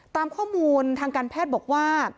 ตามข้อมูลทางการแพทย์บอกว่า